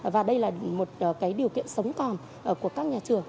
và đây là một điều kiện sống còn của các nhà trường